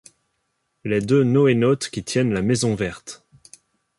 Les deux NoéNautes qui tiennent la maison Verte.